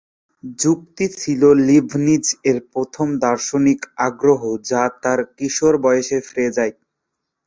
যুক্তি ছিল লিবনিজ এর প্রথম দার্শনিক আগ্রহ যা তার কিশোর বয়সে ফিরে যায়।